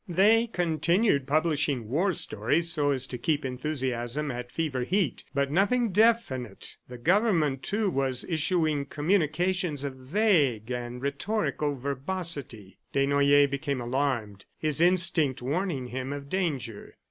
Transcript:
They continued publishing war stories so as to keep enthusiasm at fever heat, but nothing definite. The Government, too, was issuing communications of vague and rhetorical verbosity. Desnoyers became alarmed, his instinct warning him of danger.